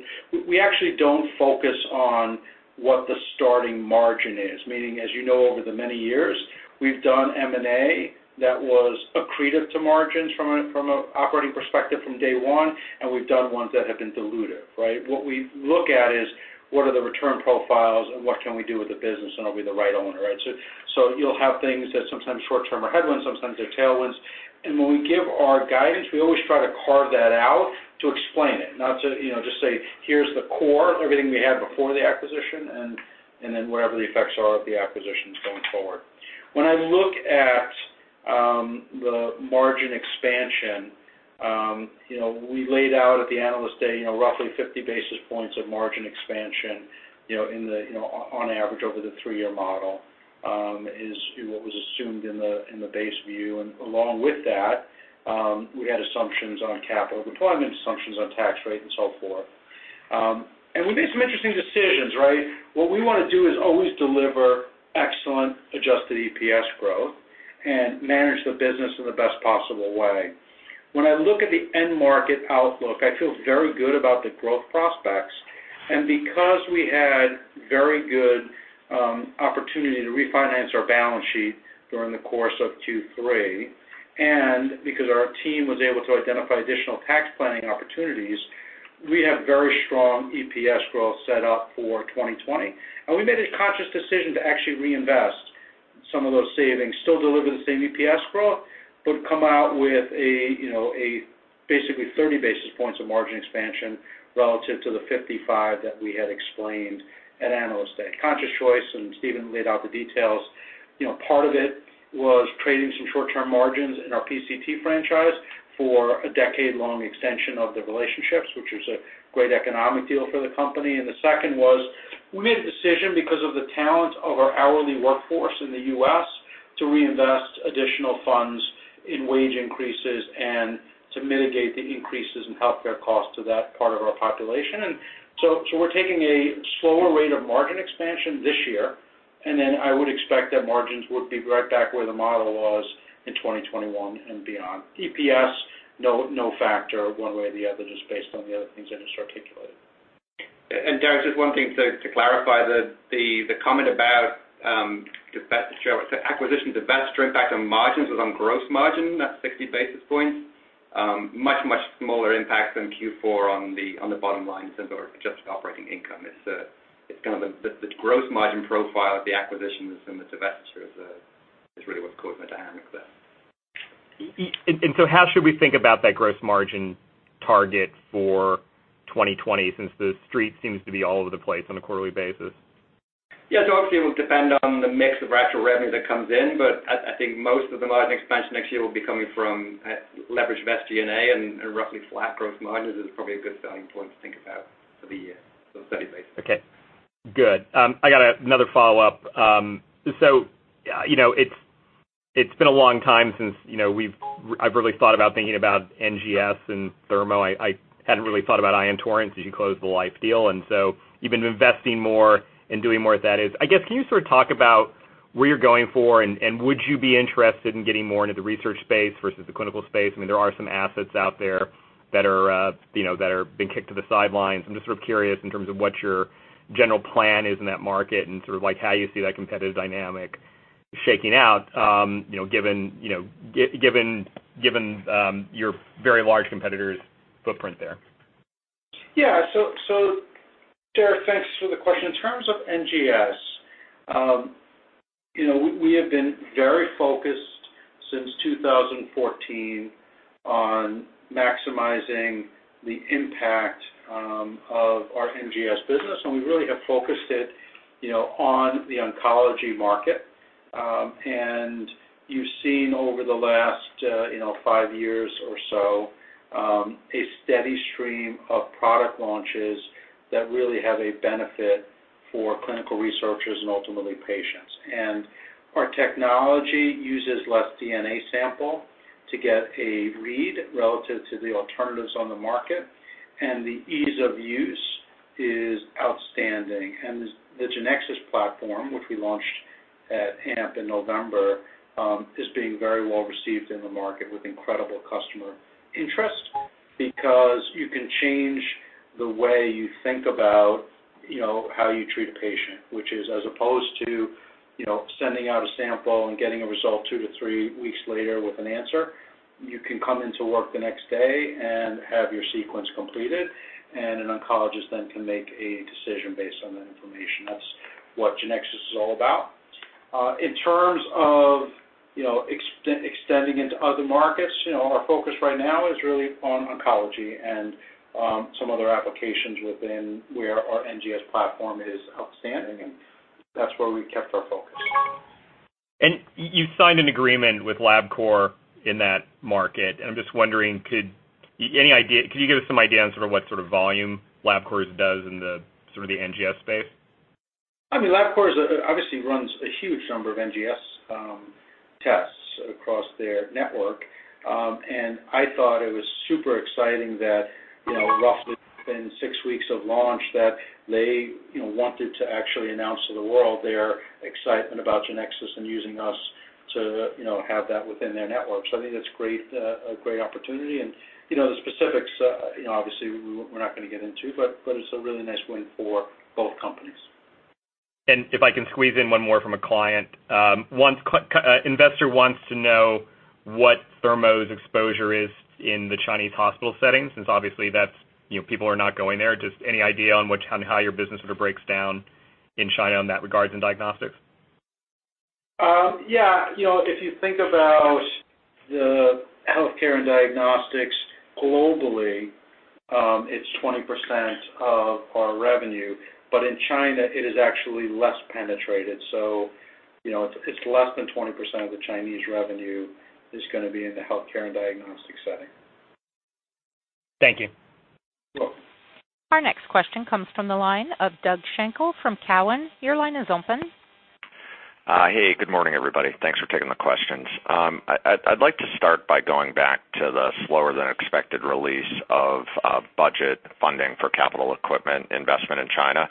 We actually don't focus on what the starting margin is. Meaning, as you know, over the many years, we've done M&A that was accretive to margins from an operating perspective from day one, and we've done ones that have been dilutive, right? What we look at is what are the return profiles and what can we do with the business, and are we the right owner, right? You'll have things that sometimes short-term are headwinds, sometimes they're tailwinds. When we give our guidance, we always try to carve that out to explain it, not to, you know, just say, here's the core, everything we had before the acquisition, and then whatever the effects are of the acquisitions going forward. When I look at the margin expansion, you know, we laid out at the Analyst Day, you know, roughly 50 basis points of margin expansion, you know, in the, on average over the three year model, is what was assumed in the base view. Along with that, we had assumptions on capital deployment, assumptions on tax rate, and so forth. We made some interesting decisions, right? What we wanna do is always deliver excellent adjusted EPS growth and manage the business in the best possible way. When I look at the end market outlook, I feel very good about the growth prospects. Because we had very good opportunity to refinance our balance sheet during the course of 2023, and because our team was able to identify additional tax planning opportunities, we have very strong EPS growth set up for 2020. We made a conscious decision to actually reinvest some of those savings, still deliver the same EPS growth, but come out with a, you know, a basically 30 basis points of margin expansion relative to the 55 that we had explained at Analyst Day. Conscious choice, and Stephen laid out the details. You know, part of it was trading some short-term margins in our PCT franchise for a decade-long extension of the relationships, which was a great economic deal for the company. The second was we made a decision because of the talent of our hourly workforce in the U.S. to reinvest additional funds in wage increases and to mitigate the increases in healthcare costs to that part of our population. We're taking a slower rate of margin expansion this year, and then I would expect that margins would be right back where the model was in 2021 and beyond. EPS, no factor one way or the other, just based on the other things I just articulated. Derik, just one thing to clarify. The comment about the acquisition, the divest impact on margins was on gross margin, that 60 basis points. Much smaller impact than Q4 on the bottom line in terms of our adjusted operating income. It's kind of the gross margin profile of the acquisitions and the divestitures is really what's causing the dynamic there. How should we think about that gross margin target for 2020, since the Street seems to be all over the place on a quarterly basis? Yeah. Obviously, it will depend on the mix of rational revenue that comes in, but I think most of the margin expansion next year will be coming from leverage of SG&A and roughly flat gross margins is probably a good starting point to think about for the year, so steady base. Okay. Good. I got another follow-up. You know, it's been a long time since, you know, I've really thought about thinking about NGS and Thermo. I hadn't really thought about Ion Torrent since you closed the Life deal. You've been investing more and doing more with that is I guess, can you sort of talk about where you're going for, would you be interested in getting more into the research space versus the clinical space? I mean, there are some assets out there that are, you know, that are being kicked to the sidelines. I'm just sort of curious in terms of what your general plan is in that market and sort of like how you see that competitive dynamic shaking out, you know, given, you know, given your very large competitor's footprint there. Derik, thanks for the question. In terms of NGS, you know, we have been very focused since 2014 on maximizing the impact of our NGS business. We really have focused it, you know, on the oncology market. You've seen over the last, you know, five years or so, a steady stream of product launches that really have a benefit for clinical researchers and ultimately patients. Our technology uses less DNA sample to get a read relative to the alternatives on the market, and the ease of use is outstanding. The Genexus platform, which we launched at AMP in November, is being very well received in the market with incredible customer interest because you can change the way you think about, you know, how you treat a patient, which is as opposed to, you know, sending out a sample and getting a result two to three weeks later with an answer. You can come into work the next day and have your sequence completed, and an oncologist then can make a decision based on that information. That's what Genexus is all about. In terms of, you know, extending into other markets, you know, our focus right now is really on oncology and some other applications within where our NGS platform is outstanding, and that's where we kept our focus. You signed an agreement with Labcorp in that market, I'm just wondering, could you give us some idea on sort of what sort of volume Labcorp does in the sort of the NGS space? I mean, LabCorp obviously runs a huge number of NGS tests across their network. I thought it was super exciting that, you know, roughly within six weeks of launch, that they, you know, wanted to actually announce to the world their excitement about Genexus and using us to, you know, have that within their network. I think that's great, a great opportunity. You know, the specifics, you know, obviously we're not gonna get into, but it's a really nice win for both companies. If I can squeeze in one more from a client. One investor wants to know what Thermo's exposure is in the Chinese hospital setting, since obviously that's, you know, people are not going there. Just any idea on which, on how your business sort of breaks down in China on that regards in diagnostics? You know, if you think about the healthcare and diagnostics globally, it's 20% of our revenue. In China, it is actually less penetrated. You know, it's less than 20% of the Chinese revenue is gonna be in the healthcare and diagnostic setting. Thank you. You're welcome. Our next question comes from the line of Doug Schenkel from Cowen. Your line is open. Hey, good morning, everybody. Thanks for taking the questions. I'd like to start by going back to the slower than expected release of budget funding for capital equipment investment in China.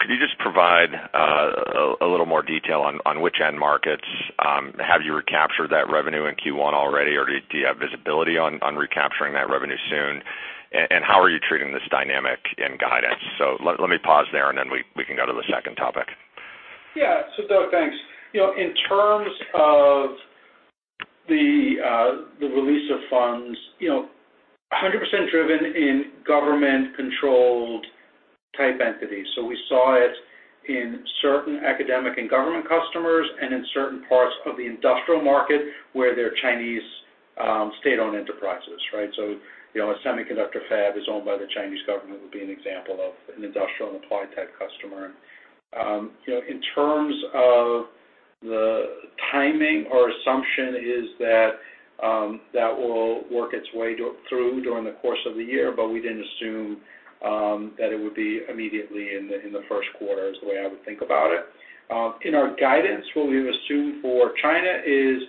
Could you just provide a little more detail on which end markets, have you recaptured that revenue in Q1 already, or do you have visibility on recapturing that revenue soon? How are you treating this dynamic in guidance? Let me pause there, and then we can go to the second topic. Yeah. Doug, thanks. You know, in terms of the release of funds, you know, 100% driven in government-controlled type entities. We saw it in certain academic and government customers and in certain parts of the industrial market where they're Chinese state-owned enterprises, right? You know, a semiconductor fab is owned by the Chinese government would be an example of an industrial and applied type customer. You know, in terms of the timing, our assumption is that that will work its way through during the course of the year, but we didn't assume that it would be immediately in the first quarter, is the way I would think about it. In our guidance, what we've assumed for China is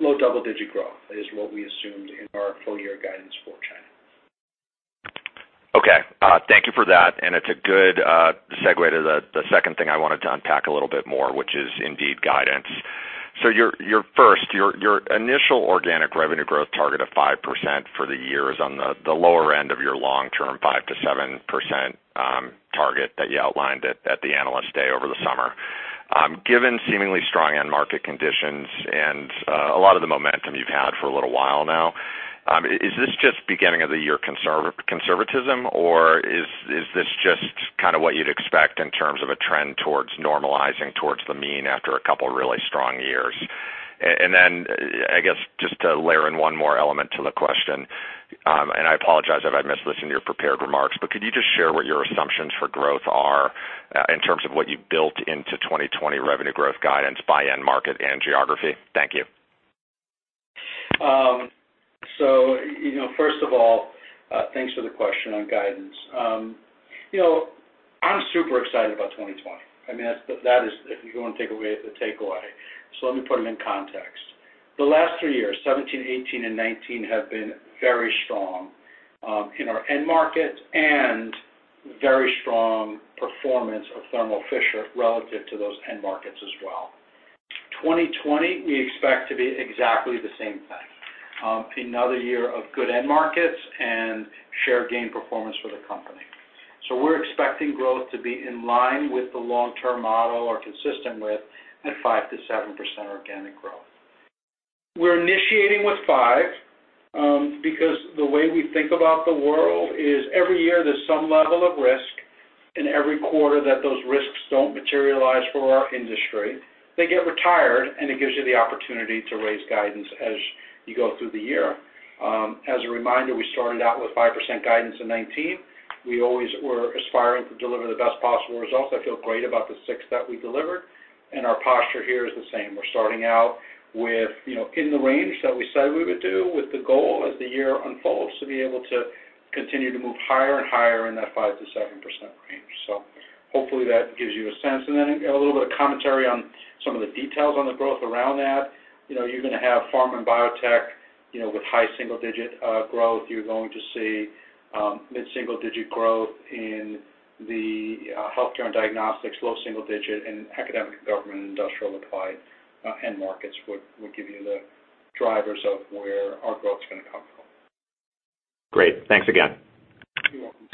low-double-digit growth, is what we assumed in our full-year guidance for China. Okay. Thank you for that, and it's a good segue to the second thing I wanted to unpack a little bit more, which is indeed guidance. Your first, your initial organic revenue growth target of 5% for the year is on the lower end of your long-term 5%-7% target that you outlined at the Analyst Day over the summer. Given seemingly strong end market conditions and a lot of the momentum you've had for a little while now, is this just beginning of the year conservatism, or is this just kind of what you'd expect in terms of a trend towards normalizing towards the mean after a couple really strong years? I guess, just to layer in one more element to the question, and I apologize if I missed this in your prepared remarks, but could you just share what your assumptions for growth are in terms of what you built into 2020 revenue growth guidance by end market and geography? Thank you. You know, first of all, thanks for the question on guidance. You know, I'm super excited about 2020. I mean, that is, if you wanna take away, the takeaway. Let me put them in context. The last three years, 2017, 2018, and 2019 have been very strong in our end market and very strong performance of Thermo Fisher relative to those end markets as well. 2020, we expect to be exactly the same thing. Another year of good end markets and share gain performance for the company. We're expecting growth to be in line with the long-term model or consistent with the 5%-7% organic growth. We're initiating with five, because the way we think about the world is every year there's some level of risk in every quarter that those risks don't materialize for our industry. They get retired, it gives you the opportunity to raise guidance as you go through the year. As a reminder, we started out with 5% guidance in 2019. We always were aspiring to deliver the best possible results. I feel great about the 6% that we delivered, our posture here is the same. We're starting out with, you know, in the range that we said we would do with the goal as the year unfolds, to be able to continue to move higher and higher in that 5%-7% range. Hopefully that gives you a sense. A little bit of commentary on some of the details on the growth around that. You know, you're gonna have pharma and biotech, you know, with high-single-digit growth. You're going to see mid-single-digit growth in the healthcare and diagnostics, low-single-digit in academic, government, and industrial applied end markets would give you the drivers of where our growth is gonna come from. Great. Thanks again. You're welcome.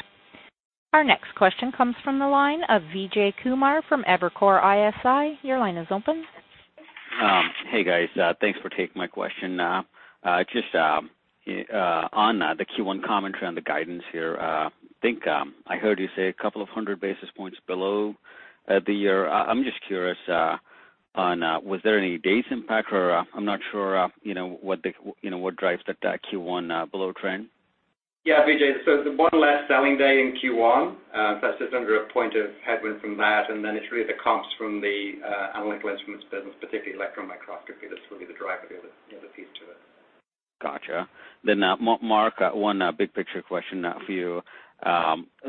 Our next question comes from the line of Vijay Kumar from Evercore ISI. Your line is open. Hey, guys, thanks for taking my question. Just on the Q1 commentary on the guidance here, think I heard you say 200 basis points below the year. I'm just curious on was there any base impact or I'm not sure, you know, what the, you know, what drives the Q1 below trend? Yeah, Vijay. One less selling day in Q1, that's just under a point of headwind from that. It's really the comps from the Analytical Instruments business, particularly electron microscopy. That's really the driver, the other piece to it. Gotcha. Marc, one, big picture question, for you.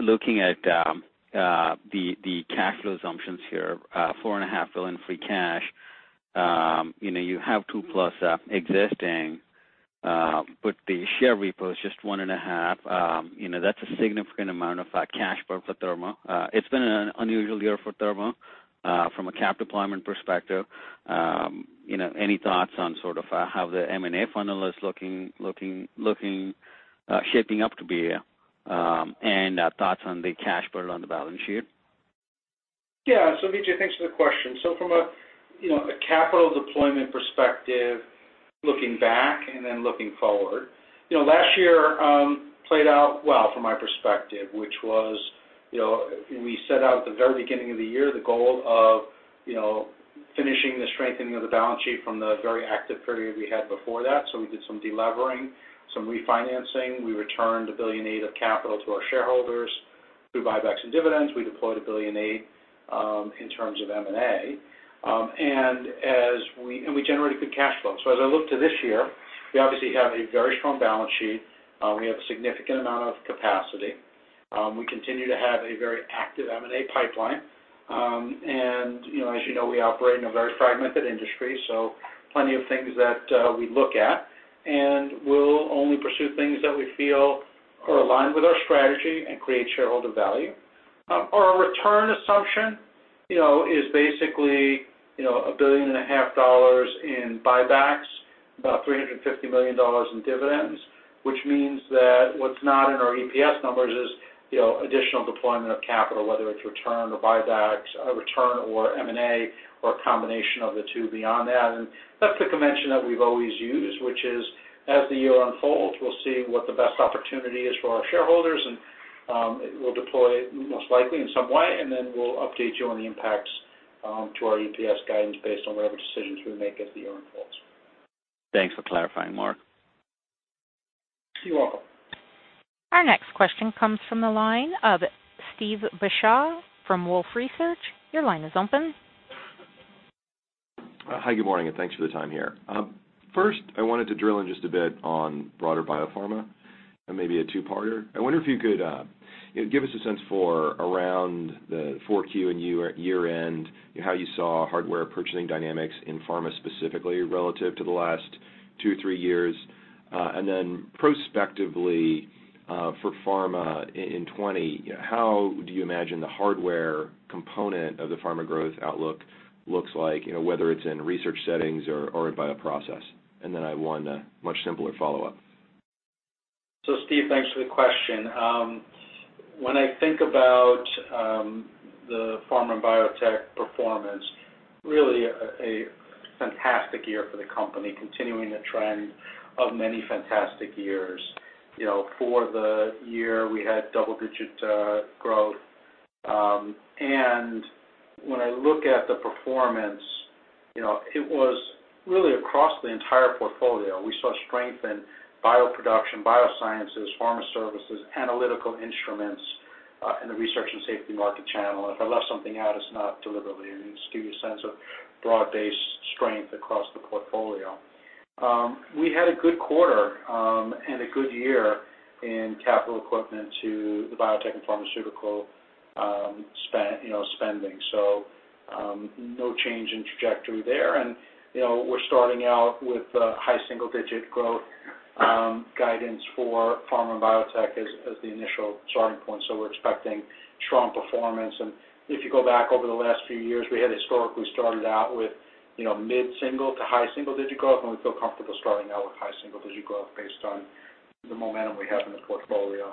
Looking at the cash flow assumptions here, $4.5 billion free cash, you know, you have 2+ existing, but the share repo is just $1.5. You know, that's a significant amount of cash burn for Thermo. It's been an unusual year for Thermo, from a cap deployment perspective. You know, any thoughts on sort of how the M&A funnel is looking, shaping up to be, and thoughts on the cash burn on the balance sheet? Yeah. Vijay, thanks for the question. From a, you know, a capital deployment perspective, looking back and then looking forward, you know, last year, played out well from my perspective, which was, you know, we set out at the very beginning of the year, the goal of, you know, finishing the strengthening of the balance sheet from the very active period we had before that. We did some delevering, some refinancing. We returned $1.8 billion of capital to our shareholders through buybacks and dividends. We deployed $1.8 billion in terms of M&A. We generated good cash flow. As I look to this year, we obviously have a very strong balance sheet. We have a significant amount of capacity. We continue to have a very active M&A pipeline. You know, as you know, we operate in a very fragmented industry, so plenty of things that we look at. We'll only pursue things that we feel are aligned with our strategy and create shareholder value. Our return assumption, you know, is basically, you know, a billion and a half dollars in buybacks, about $350 million in dividends, which means that what's not in our EPS numbers is, you know, additional deployment of capital, whether it's return or buybacks, or return or M&A or a combination of the two beyond that. That's the convention that we've always used, which is as the year unfolds, we'll see what the best opportunity is for our shareholders, and we'll deploy most likely in some way, and then we'll update you on the impacts to our EPS guidance based on whatever decisions we make as the year unfolds. Thanks for clarifying, Marc. You're welcome. Our next question comes from the line of Steve Beuchaw from Wolfe Research. Your line is open. Hi, good morning, and thanks for the time here. First, I wanted to drill in just a bit on broader biopharma and maybe a two-parter. I wonder if you could, you know, give us a sense for around the 4Q and year-end, how you saw hardware purchasing dynamics in pharma specifically relative to the last two, three years. And then prospectively, for pharma in 2020, how do you imagine the hardware component of the pharma growth outlook looks like, you know, whether it's in research settings or in bioprocess? And then I have one much simpler follow-up. Steve, thanks for the question. When I think about the pharma and biotech performance, really a fantastic year for the company, continuing a trend of many fantastic years. You know, for the year, we had double-digit growth. When I look at the performance, you know, it was really across the entire portfolio. We saw strength in bioproduction, biosciences, pharma services, Analytical Instruments, in the research and safety market channel. If I left something out, it's not deliberately. I mean, just give you a sense of broad-based strength across the portfolio. We had a good quarter and a good year in capital equipment to the biotech and pharmaceutical spend, you know, spending. No change in trajectory there. You know, we're starting out with high-single-digit growth guidance for pharma and biotech as the initial starting point. We're expecting strong performance. If you go back over the last few years, we had historically started out with, you know, mid-single to high-single-digit growth, and we feel comfortable starting out with high-single-digit growth based on the momentum we have in the portfolio.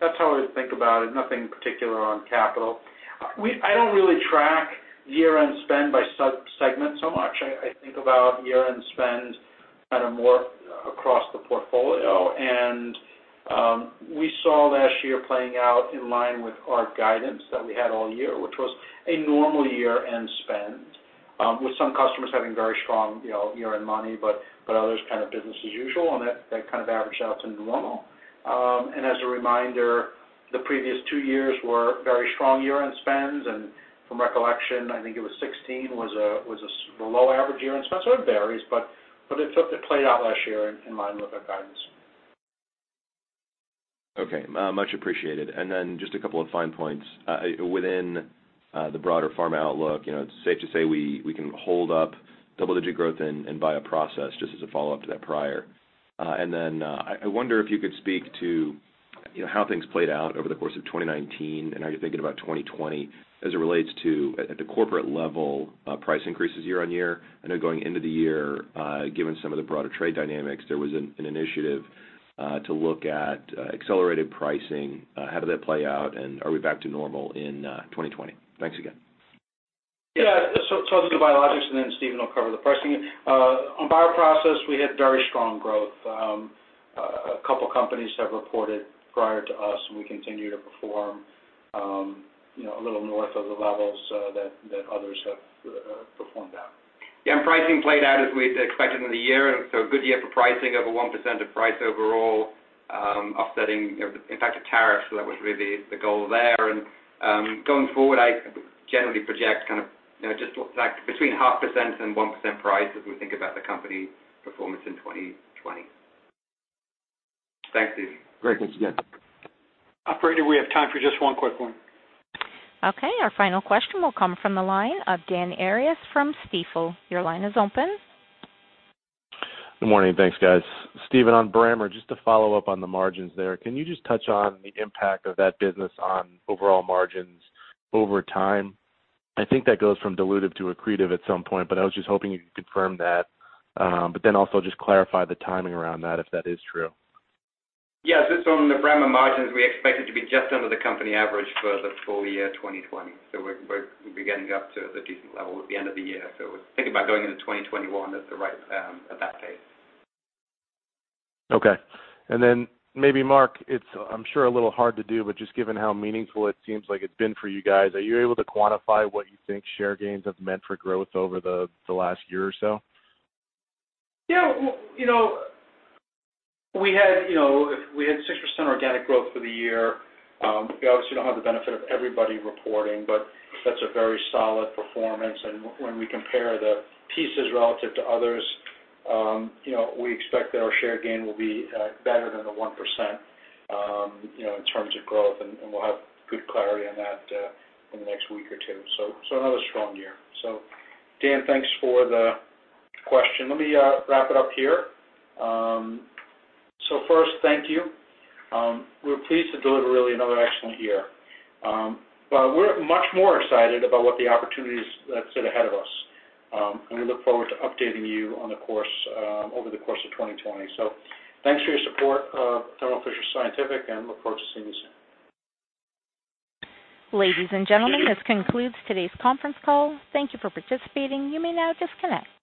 That's how I think about it. Nothing particular on capital. I don't really track year-end spend by sub-segment so much. I think about year-end spend kind of more across the portfolio. We saw last year playing out in line with our guidance that we had all year, which was a normal year-end spend, with some customers having very strong, you know, year-end money, but others kind of business as usual, and that kind of averaged out to normal. As a reminder, the previous two years were very strong year-end spends. From recollection, I think it was 2016 was a low average year-end spend. It varies, but it felt it played out last year in line with our guidance. Okay. much appreciated. Just a couple of fine points. Within the broader pharma outlook, you know, it's safe to say we can hold up double-digit growth in bioprocess, just as a follow-up to that prior. I wonder if you could speak to, you know, how things played out over the course of 2019, and how you're thinking about 2020 as it relates to, at a corporate level, price increases year-on-year. I know going into the year, given some of the broader trade dynamics, there was an initiative to look at accelerated pricing. How did that play out, and are we back to normal in 2020? Thanks again. Yeah. I'll do biologics and then Stephen will cover the pricing. On bioprocess, we had very strong growth. A couple companies have reported prior to us, and we continue to perform, you know, a little north of the levels that others have performed at. Yeah, pricing played out as we'd expected in the year. A good year for pricing, over 1% of price overall, offsetting, you know, the impact of tariffs. That was really the goal there. Going forward, I generally project kind of, you know, just like between 0.5% and 1% price as we think about the company performance in 2020. Thanks, Steve. Great. Thanks again. Operator, we have time for just one quick one. Okay. Our final question will come from the line of Dan Arias from Stifel. Your line is open. Good morning. Thanks, guys. Stephen, on Brammer, just to follow up on the margins there, can you just touch on the impact of that business on overall margins over time? I think that goes from dilutive to accretive at some point, but I was just hoping you could confirm that. Also just clarify the timing around that, if that is true. Yeah, just on the Brammer margins, we expect it to be just under the company average for the full-year 2020. We're beginning up to a decent level at the end of the year. Think about going into 2021 at the right, at that pace. Okay. Then maybe Marc, it's, I'm sure a little hard to do, but just given how meaningful it seems like it's been for you guys, are you able to quantify what you think share gains have meant for growth over the last year or so? Yeah. Well, you know, we had, you know, if we had 6% organic growth for the year, we obviously don't have the benefit of everybody reporting, but that's a very solid performance. When we compare the pieces relative to others, you know, we expect that our share gain will be better than the 1%, you know, in terms of growth, and we'll have good clarity on that in the next week or two. Another strong year. Dan, thanks for the question. Let me wrap it up here. First, thank you. We're pleased to deliver really another excellent year. We're much more excited about what the opportunities that sit ahead of us, and we look forward to updating you on the course over the course of 2020. Thanks for your support of Thermo Fisher Scientific, and look forward to seeing you soon. Ladies and gentlemen, this concludes today's conference call. Thank you for participating. You may now disconnect.